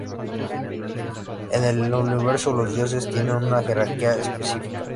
En el universo, los dioses tienen una jerarquía específica.